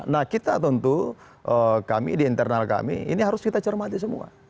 nah kita tentu kami di internal kami ini harus kita cermati semua